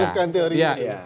luluskan teorinya ya